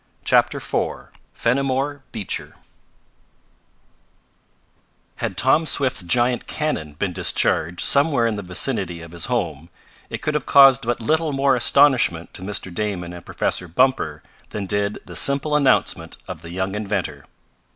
CHAPTER IV FENIMORE BEECHER Had Tom Swift's giant cannon been discharged somewhere in the vicinity of his home it could have caused but little more astonishment to Mr. Damon and Professor Bumper than did the simple announcement of the young inventor.